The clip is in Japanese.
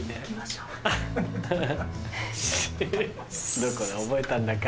どこで覚えたんだか。